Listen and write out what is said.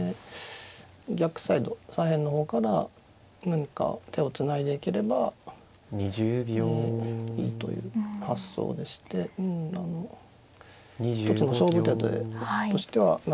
逆サイド左辺の方から何か手をつないでいければいいという発想でして一つの勝負手としてはなるほどという感じがします。